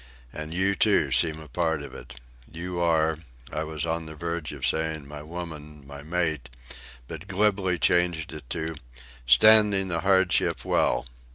And you, too, seem a part of it. You are—" I was on the verge of saying, "my woman, my mate," but glibly changed it to—"standing the hardship well."